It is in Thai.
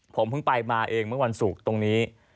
ผมเพิ่งไปมาเองเมื่อวันศุกร์ตรงนี้